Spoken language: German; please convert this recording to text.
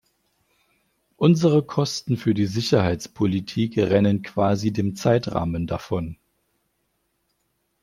Unsere Kosten für die Sicherheitspolitik rennen quasi dem Zeitrahmen davon.